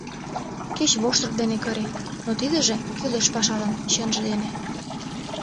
Кеч воштыр дене кыре, но тидыже — кӱлеш пашалан, чынже дене...